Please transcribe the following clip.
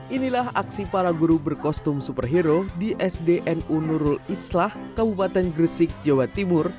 inilah aksi para guru berkostum superhero di sdnu nurul islah kabupaten gresik jawa timur